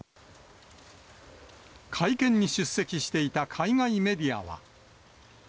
会見に出席していた海外メディアは。